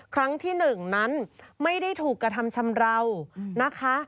ครั้งที่๑นั้นไม่ได้ถูกกระทำชำราวนะคะ